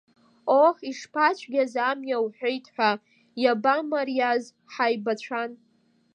Оҳ ишԥацәгьаз амҩа уҳәеит ҳәа, иабамариаз, ҳаибацәан.